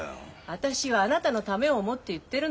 私はあなたのためを思って言ってるの。